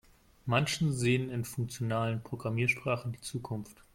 Manche sehen in funktionalen Programmiersprachen die Zukunft.